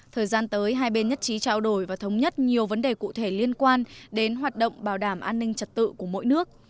thời gian tới hai bên nhất trí trao đổi và thống nhất nhiều vấn đề cụ thể liên quan đến hoạt động bảo đảm an ninh trật tự của mỗi nước